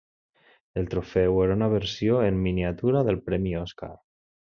El trofeu era una versió en miniatura del premi Oscar.